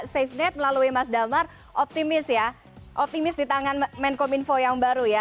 safenet melalui mas damar optimis ya optimis di tangan menkom info yang baru ya